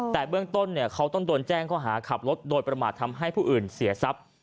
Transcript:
แต่เบื้องต้นเขาต้องโดนแจ้งข้อหาขับรถโดยประมาททำให้ผู้อื่นเสียทรัพย์